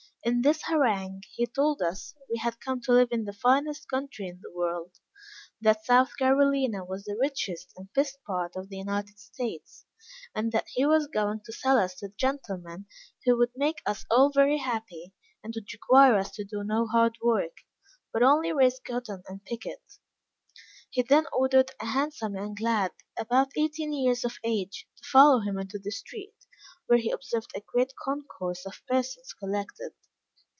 In this harangue he told us we had come to live in the finest country in the world; that South Carolina was the richest and best part of the United States; and that he was going to sell us to gentlemen who would make us all very happy, and would require us to do no hard work; but only raise cotton and pick it. He then ordered a handsome young lad, about eighteen years of age, to follow him into the street, where he observed a great concourse of persons collected.